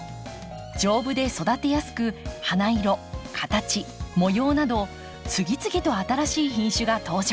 丈夫で育てやすく花色形模様など次々と新しい品種が登場。